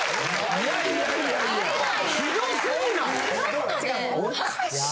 いやいやいやひどすぎない？